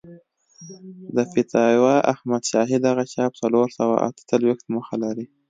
د فتاوی احمدشاهي دغه چاپ څلور سوه اته څلوېښت مخه لري.